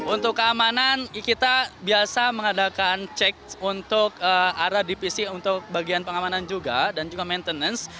untuk keamanan kita biasa mengadakan cek untuk arah dpc untuk bagian pengamanan juga dan juga maintenance